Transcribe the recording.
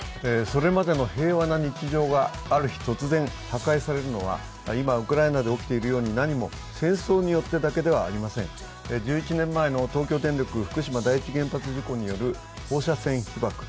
それまでの平和な日常がある日突然、破壊されるのは今ウクライナで起きているように、何も戦争によってだけではありません。１１年前の東京電力福島第一原発事故による放射線被ばく。